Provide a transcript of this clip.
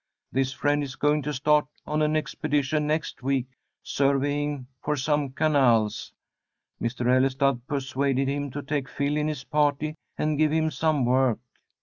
This friend is going to start on an expedition next week, surveying for some canals. Mr. Ellestad persuaded him to take Phil in his party, and give him some work.